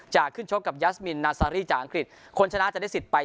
จะขึ้นชกกับจากอังกฤษคนชนะจะได้สิทธิ์ไป